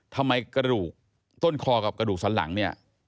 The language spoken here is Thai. กระดูกต้นคอกับกระดูกสันหลังเนี่ย